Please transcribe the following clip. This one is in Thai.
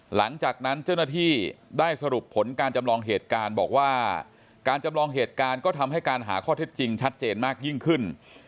หลังจากนั้นเจ้าหน้าที่ได้สรุปผลการจำลองเหตุการณ์บอกว่าการจำลองเหตุการณ์ก็ทำให้การหาข้อเท็จจริงชัดเจนมากยิ่งขึ้น